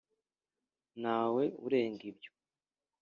nta we urenga ibyo